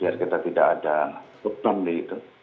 biar kita tidak ada problem di situ